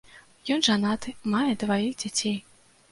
Ён жанаты, мае дваіх дзяцей.